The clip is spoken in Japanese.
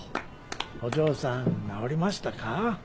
お嬢さん治りましたか？